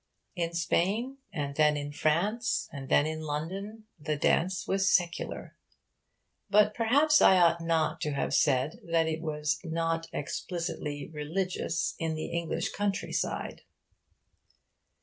In Spain, and then in France, and then in London, the dance was secular. But perhaps I ought not to have said that it was 'not explicitly religious' in the English countryside.